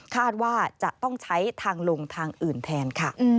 ว่าจะต้องใช้ทางลงทางอื่นแทนค่ะ